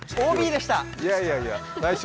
ＯＢでした。